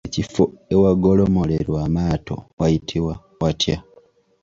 Ekifo awagolomolerwa amaato wayitibwa watya?